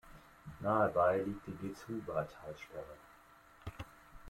Nahebei liegt die Gezhouba-Talsperre.